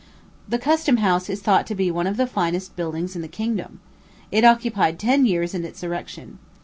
The Custom House is thought to be one of the finest buildings in the kingdom. It occupied ten years in its erection.